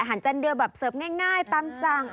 อาหารจันเดอร์แบบเซิร์ฟง่ายตามสั่ง